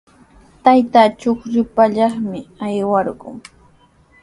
Taytaaqa chuqllu pallaqmi aywarqun.